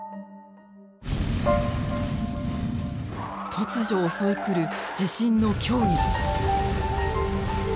突如襲い来る地震の脅威。